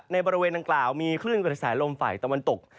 บริเวณดังกล่าวมีคลื่นกระแสลมฝ่ายตะวันตก